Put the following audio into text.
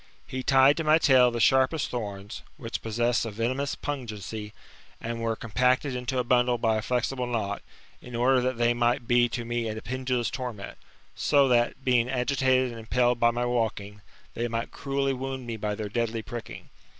He tied to my tail the sharpest thorns, which possessed a venomous pungency, and were compacted into a bundle by a flexible knot, in order that they might be to me a pendulous torment ; so that, being agitated and impelled by my walking, they might cruelly wound me by their deadly pricking.